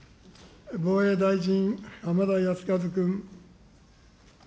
防衛大臣、浜田靖一君。